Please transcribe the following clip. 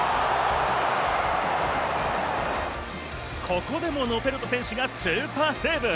ここでもノペルト選手がスーパーセーブ。